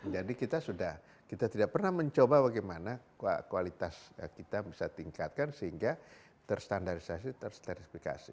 jadi kita sudah kita tidak pernah mencoba bagaimana kualitas kita bisa tingkatkan sehingga terstandarisasi terstetifikasi